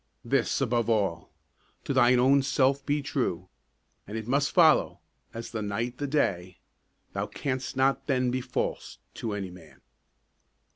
This above all: To thine own self be true, And it must follow, as the night the day, Thou canst not then be false to any man.